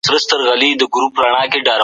د پردیو محتاج مه اوسئ.